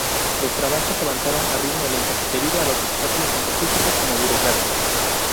Los trabajos avanzaron a ritmo lento debido a obstáculos tanto físicos como burocráticos.